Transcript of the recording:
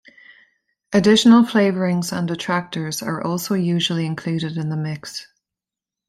Additional flavourings and attractors are also usually included in the mix.